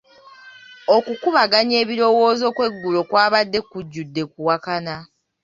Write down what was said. Okukubaganya ebirowoozo kw'eggulo kwabadde kujjudde kuwakana.